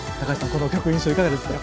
この曲印象いかがですか？